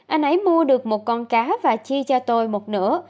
anh ấy mua được một con cá và chi cho tôi một nửa